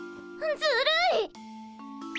ずるい？